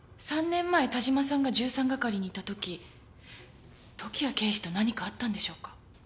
３年前但馬さんが１３係にいた時時矢刑事と何かあったんでしょうか？